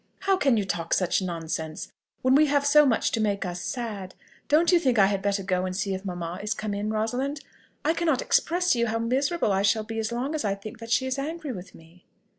"How can you talk such nonsense, when we have so much to make us sad! Don't you think I had better go and see if mamma is come in, Rosalind? I cannot express to you how miserable I shall be as long as I think that she is angry with me."